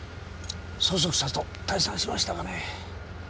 そそくさと退散しましたがね。